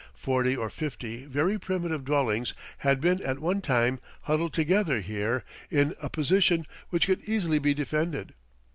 Forty or fifty very primitive dwellings had been at one time huddled together here in a position which could easily be defended.